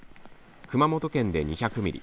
熊本県で２００ミリ